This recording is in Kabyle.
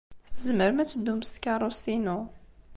Tzemrem ad teddum s tkeṛṛust-inu.